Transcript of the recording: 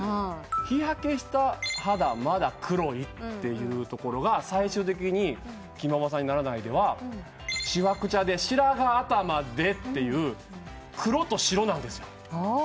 「日焼けした肌まだ黒い」っていうところが最終的に『君はオバさんにならない』では「しわくちゃで白髪頭で」という黒と白なんですよ。